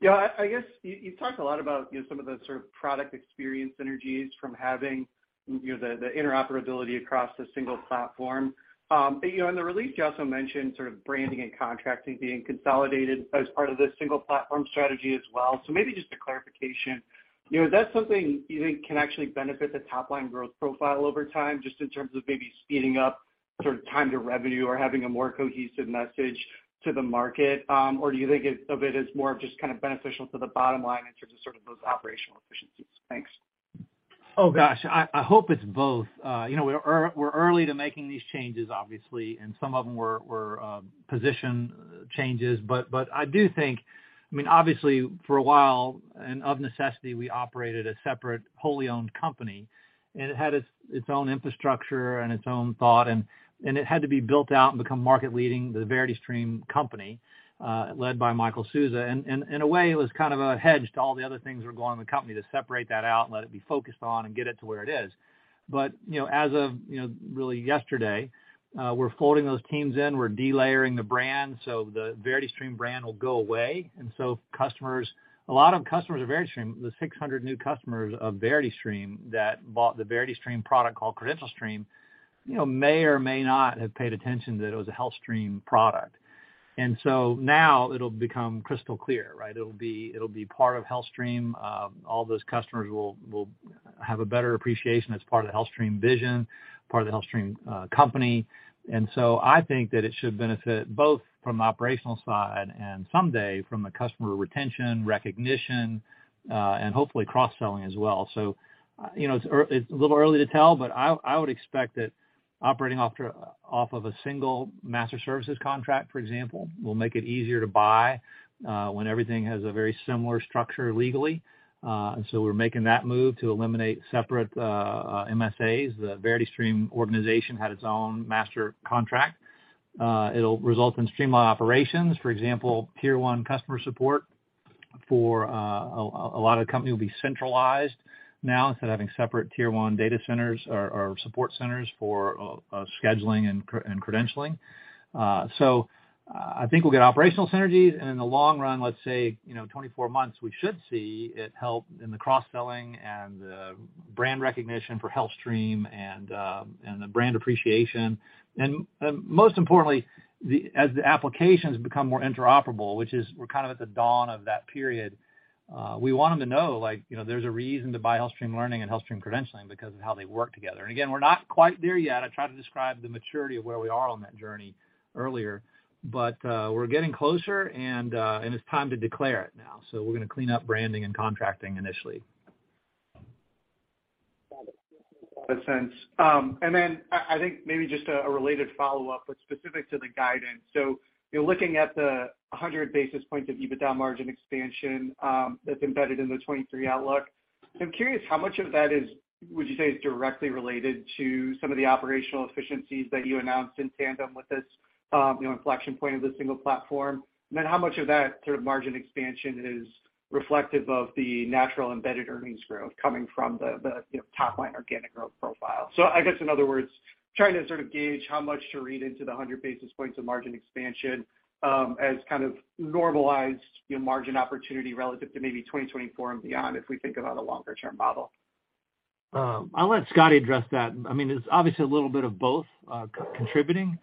You know, I guess you talked a lot about, you know, some of the sort of product experience synergies from having, you know, the interoperability across the single platform. You know, in the release, you also mentioned sort of branding and contracting being consolidated as part of this single platform strategy as well. Maybe just a clarification. You know, that's something you think can actually benefit the top line growth profile over time, just in terms of maybe speeding up sort of time to revenue or having a more cohesive message to the market, or do you think of it as more just kind of beneficial to the bottom line in terms of sort of those operational efficiencies? Thanks. Oh, gosh. I hope it's both. You know, we're early to making these changes, obviously, and some of them were position changes. I do think, I mean, obviously, for a while, and of necessity, we operated a separate wholly owned company, and it had its own infrastructure and its own thought, and it had to be built out and become market-leading, the VerityStream company, led by Michael Sousa. In a way, it was kind of a hedge to all the other things that were going on in the company to separate that out and let it be focused on and get it to where it is. You know, as of, you know, really yesterday, we're folding those teams in, we're delayering the brand, so the VerityStream brand will go away. Customers, a lot of customers of VerityStream, the 600 new customers of VerityStream that bought the VerityStream product called CredentialStream, you know, may or may not have paid attention that it was a HealthStream product. Now it'll become crystal clear, right? It'll be part of HealthStream. All those customers will have a better appreciation as part of the HealthStream vision, part of the HealthStream company. I think that it should benefit both from the operational side and someday from a customer retention, recognition, and hopefully cross-selling as well. You know, it's a little early to tell, but I would expect that operating off of a single master services contract, for example, will make it easier to buy when everything has a very similar structure legally. We're making that move to eliminate separate MSAs. The VerityStream organization had its own master contract. It'll result in streamlined operations. For example, tier one customer support for a lot of the company will be centralized now instead of having separate tier one data centers or support centers for scheduling and credentialing. I think we'll get operational synergies, and in the long run, let's say, you know, 24 months, we should see it help in the cross-selling and brand recognition for HealthStream and the brand appreciation. Most importantly, as the applications become more interoperable, which is we're kind of at the dawn of that period, we want them to know, like, you know, there's a reason to buy HealthStream Learning and HealthStream Credentialing because of how they work together. Again, we're not quite there yet. I tried to describe the maturity of where we are on that journey earlier, but we're getting closer and it's time to declare it now. We're gonna clean up branding and contracting initially. That makes a lot of sense. I think maybe just a related follow-up, but specific to the guidance. You're looking at the 100 basis points of EBITDA margin expansion that's embedded in the 2023 outlook. I'm curious how much of that is, would you say, is directly related to some of the operational efficiencies that you announced in tandem with this inflection point of the single platform? How much of that sort of margin expansion is reflective of the natural embedded earnings growth coming from the top line organic growth profile? I guess, in other words, trying to sort of gauge how much to read into the 100 basis points of margin expansion, as kind of normalized, you know, margin opportunity relative to maybe 2024 and beyond if we think about a longer term model. I'll let Scotty address that. I mean, it's obviously a little bit of both contributing.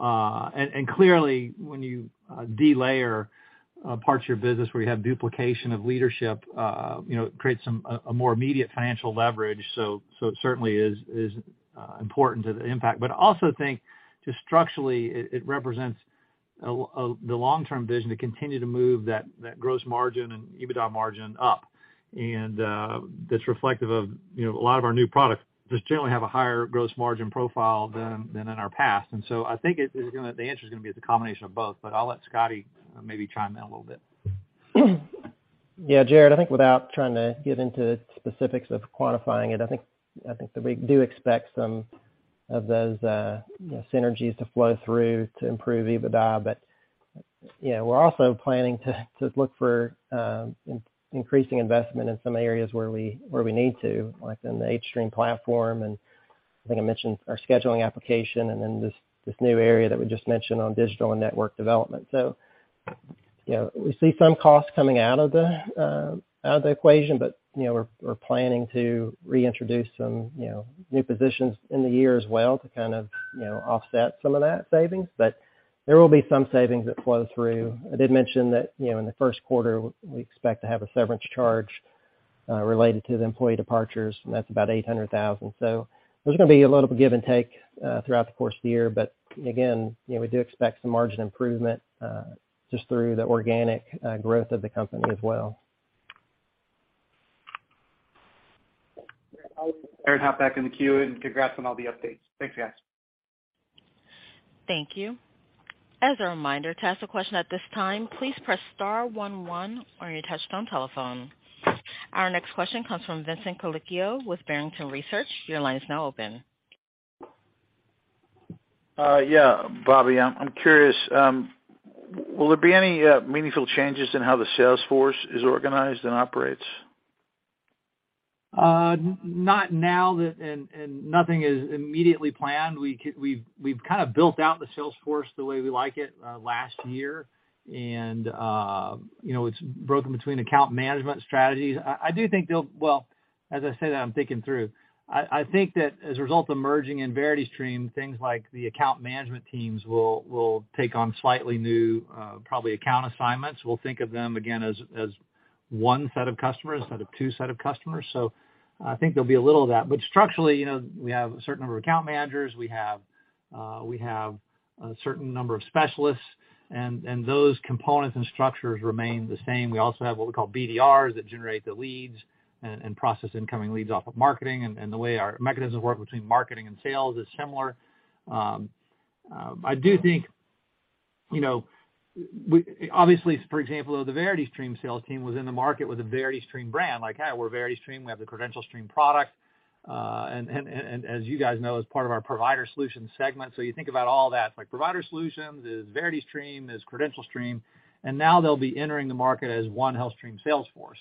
Clearly, when you delayer parts of your business where you have duplication of leadership, you know, it creates some a more immediate financial leverage. It certainly is important to the impact. I also think just structurally it represents a the long-term vision to continue to move that gross margin and EBITDA margin up. That's reflective of, you know, a lot of our new products just generally have a higher gross margin profile than in our past. I think the answer is gonna be it's a combination of both, but I'll let Scotty maybe chime in a little bit. Jared, I think without trying to get into specifics of quantifying it, I think that we do expect some of those, you know, synergies to flow through to improve adjusted EBITDA. You know, we're also planning to look for increasing investment in some areas where we need to, like in the hStream platform, and I think I mentioned our scheduling application and then this new area that we just mentioned on Digital Network Development. You know, we see some costs coming out of the out of the equation, but, you know, we're planning to reintroduce some, you know, new positions in the year as well to kind of, you know, offset some of that savings. There will be some savings that flow through. I did mention that, you know, in the first quarter, we expect to have a severance charge, related to the employee departures, and that's about $800,000. There's gonna be a little give and take, throughout the course of the year, again, you know, we do expect some margin improvement, just through the organic, growth of the company as well. Back in the queue, and congrats on all the updates. Thanks, guys. Thank you. As a reminder, to ask a question at this time, please press star one one on your touchtone telephone. Our next question comes from Vincent Colicchio with Barrington Research. Your line is now open. Yeah, Bobby, I'm curious, will there be any meaningful changes in how the sales force is organized and operates? Not now that. Nothing is immediately planned. We've kind of built out the sales force the way we like it last year and, you know, it's broken between account management strategies. I do think there'll. Well, as I said, I'm thinking through. I think that as a result of merging in VerityStream, things like the account management teams will take on slightly new, probably account assignments. We'll think of them again as one set of customers instead of two set of customers. I think there'll be a little of that. Structurally, you know, we have a certain number of account managers. We have a certain number of specialists, and those components and structures remain the same. We also have what we call BDRs that generate the leads and process incoming leads off of marketing. The way our mechanisms work between marketing and sales is similar. I do think, you know, obviously, for example, the VerityStream sales team was in the market with a VerityStream brand. Like, hey, we're VerityStream, we have the CredentialStream product, and as you guys know, as part of our Provider Solutions segment. You think about all that, like, Provider Solutions, there's VerityStream, there's CredentialStream, and now they'll be entering the market as One HealthStream sales force.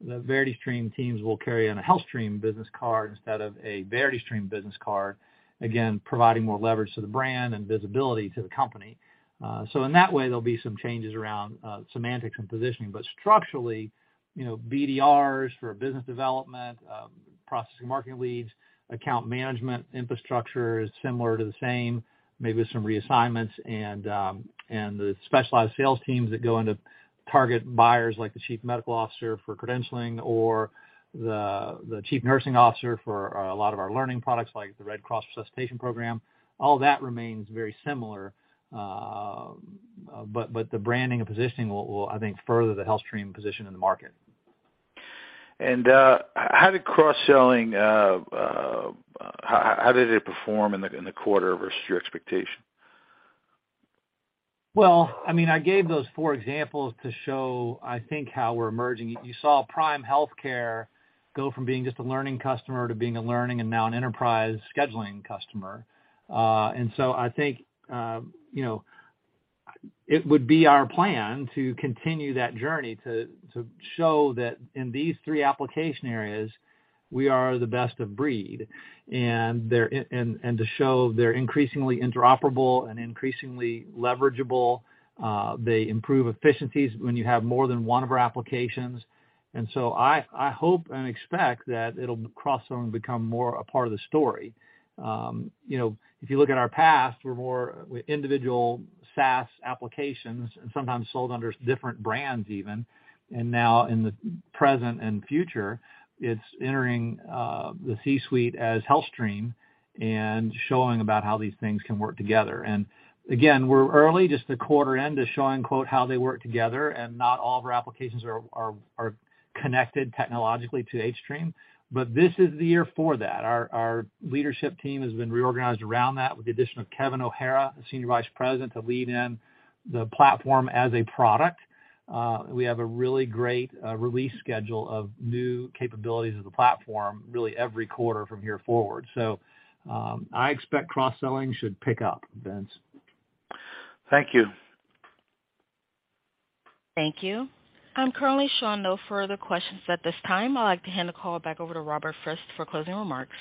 The VerityStream teams will carry in a HealthStream business card instead of a VerityStream business card, again, providing more leverage to the brand and visibility to the company. In that way, there'll be some changes around semantics and positioning. Structurally, you know, BDRs for business development, processing marketing leads, account management infrastructure is similar to the same, maybe some reassignments and the specialized sales teams that go into target buyers like the chief medical officer for credentialing or the chief nursing officer for a lot of our learning products like the Red Cross Resuscitation Program, all that remains very similar. The branding and positioning will I think further the HealthStream position in the market. How did it perform in the quarter versus your expectation? Well, I mean, I gave those four examples to show, I think, how we're emerging. You saw Prime Healthcare go from being just a learning customer to being a learning and now an enterprise scheduling customer. I think, you know, it would be our plan to continue that journey to show that in these three application areas, we are the best of breed. To show they're increasingly interoperable and increasingly leverageable. They improve efficiencies when you have more than one of our applications. I hope and expect that it'll cross them and become more a part of the story. You know, if you look at our past, we're more individual SaaS applications and sometimes sold under different brands even. Now in the present and future, it's entering the C-suite as HealthStream and showing about how these things can work together. Again, we're early, just the quarter end is showing, quote, "how they work together," and not all of our applications are connected technologically to hStream. This is the year for that. Our leadership team has been reorganized around that with the addition of Kevin O'Hara, the Senior Vice President, to lead in the platform as a product. We have a really great release schedule of new capabilities of the platform really every quarter from here forward. I expect cross-selling should pick up, Vince. Thank you. Thank you. I'm currently showing no further questions at this time. I'd like to hand the call back over to Robert Frist for closing remarks.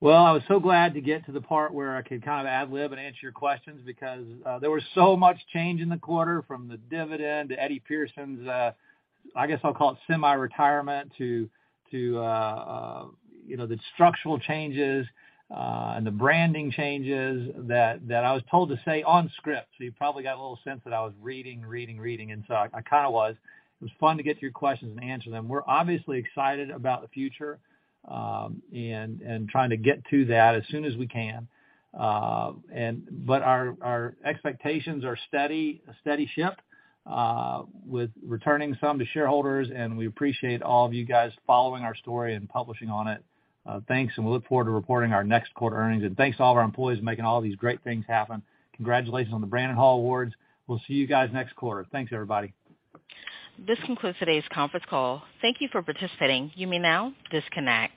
Well, I was so glad to get to the part where I could kind of ad-lib and answer your questions because there was so much change in the quarter from the dividend to Eddie Pearson's, I guess I'll call it semi-retirement, to, you know, the structural changes and the branding changes that I was told to say on script. You probably got a little sense that I was reading, reading, and so I kind of was. It was fun to get to your questions and answer them. We're obviously excited about the future, and trying to get to that as soon as we can. Our expectations are steady, a steady ship, with returning some to shareholders, and we appreciate all of you guys following our story and publishing on it. Thanks, and we look forward to reporting our next quarter earnings. Thanks to all of our employees making all these great things happen. Congratulations on the Brandon Hall Awards. We'll see you guys next quarter. Thanks, everybody. This concludes today's conference call. Thank you for participating. You may now disconnect.